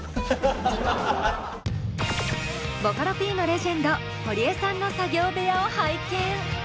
ボカロＰのレジェンド堀江さんの作業部屋を拝見。